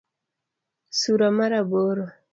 Sura mar aboro